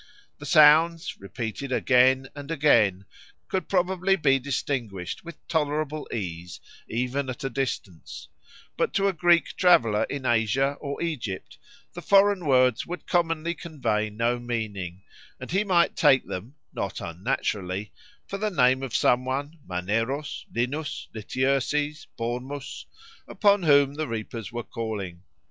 The sounds, repeated again and again, could probably be distinguished with tolerable ease even at a distance; but to a Greek traveller in Asia or Egypt the foreign words would commonly convey no meaning, and he might take them, not unnaturally, for the name of some one (Maneros, Linus, Lityerses, Bormus) upon whom the reapers were calling.